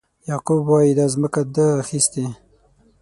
یعقوب وایي دا ځمکه ده اخیستې.